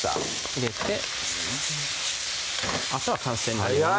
入れてあとは完成になります